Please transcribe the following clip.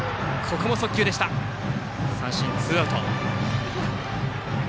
速球で三振、ツーアウト。